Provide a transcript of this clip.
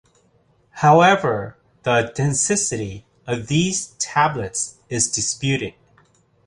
However, the authenticity of these tablets is disputed.